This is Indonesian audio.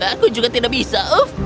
aku juga tidak bisa